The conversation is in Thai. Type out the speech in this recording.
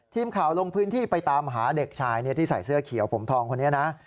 ทีมข่าวลงพื้นที่ไปตามหาเด็กชายที่ใส่เสื้อเขียวผมทองคนนี้นะ